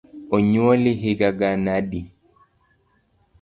Onyuoli higa gana adi?